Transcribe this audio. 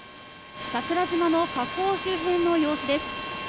桜島の火口周辺の様子です。